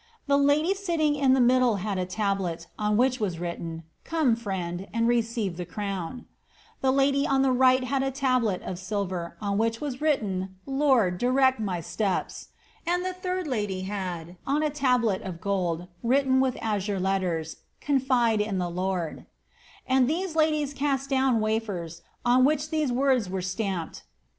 The lady sitting in middle had a tablet, on which was written, ^ Come, friend, and rece the crown ;' the lady on the right had a tablet of silver, on which i written, ' Lord, direct my steps ;' and the third lady had, on a tablet gold, written with azure letters, ^ Confide in the Lord i* and these laii cast down wafers, on which these words were stamped.